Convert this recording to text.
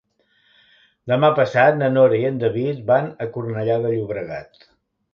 Demà passat na Nora i en David van a Cornellà de Llobregat.